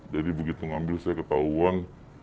jadi begitu ngambil saya ketahuan